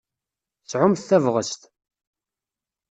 Sɛumt tabɣest!